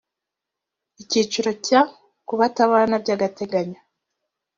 icyiciro cya…: kutabana by agateganyo